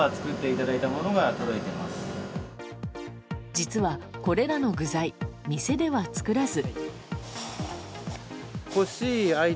実は、これらの具材店では作らず。